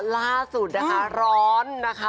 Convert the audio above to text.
ล่าสุดนะคะร้อนนะคะ